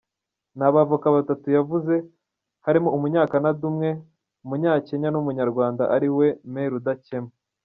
Ni abavoka batatu yavuze, harimo umunyacanada umwe, umunyakenya n’umunyarwanda ariwe Me Rudakemwa.